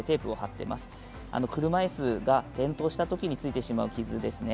車いすが転倒したときについてしまう傷ですね。